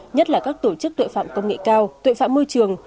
nhất là các tổ chức tội phạm công nghệ cao tội phạm môi trường